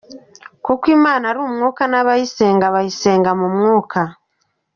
Kuko Imana ari Umwuka n’abayisenga bayisenga mu Mwuka.